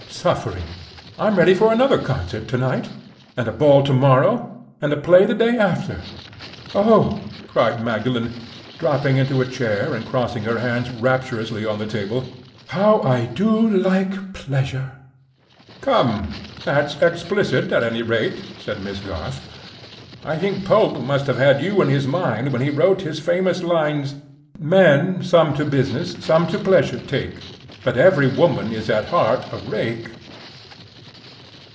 Suffering! I'm ready for another concert to night, and a ball to morrow, and a play the day after. Oh," cried Magdalen, dropping into a chair and crossing her hands rapturously on the table, "how I do like pleasure!" "Come! that's explicit at any rate," said Miss Garth. "I think Pope must have had you in his mind when he wrote his famous lines: "Men some to business, some to pleasure take, But every woman is at heart a rake."